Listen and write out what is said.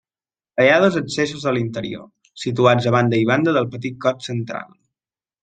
Hi ha dos accessos a l'interior, situats a banda i banda del petit cos central.